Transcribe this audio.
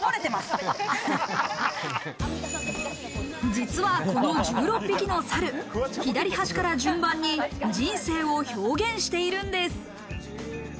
実はこの１６匹の猿、左端から順番に人生を表現しているんです。